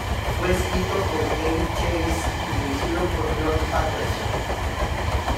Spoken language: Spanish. Fue escrito por David Chase y dirigido por John Patterson.